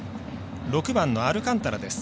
６番のアルカンタラです。